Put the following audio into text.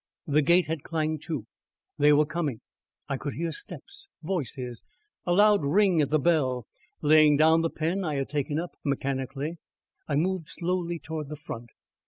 The gate had clanged to. They were coming. I could hear steps voices a loud ring at the bell. Laying down the pen I had taken, up mechanically, I moved slowly towards the front.